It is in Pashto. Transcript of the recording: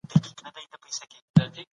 اقتصادي ملاتړ د مسلمانانو خصلت دی.